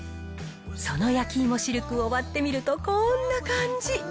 その焼き芋しるくを割ってみると、こんな感じ。